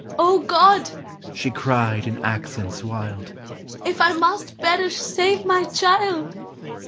" O God! " she cried in accents wild, " If 1 must perish, save my child!